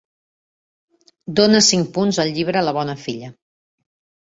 Dóna cinc punts al llibre La bona filla